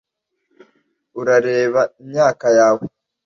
urareba imyaka yawe